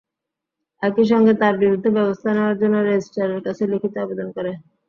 একই সঙ্গে তাঁর বিরুদ্ধে ব্যবস্থা নেওয়ার জন্য রেজিস্ট্রারের কাছে লিখিত আবেদন করে।